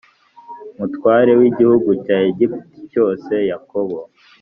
mutware w igihugu cya Egiputa cyose Yakobo